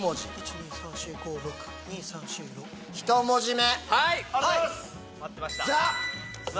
２文字目。